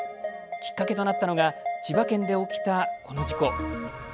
きっかけとなったのが千葉県で起きた、この事故。